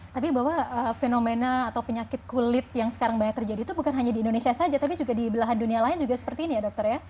tapi bahwa fenomena atau penyakit kulit yang sekarang banyak terjadi itu bukan hanya di indonesia saja tapi juga di belahan dunia lain juga seperti ini ya dokter ya